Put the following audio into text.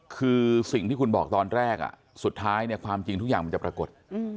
คือสิ่งที่คุณบอกตอนแรกสุดท้ายเนี่ยความจริงทุกอย่างมันจะปรากฏ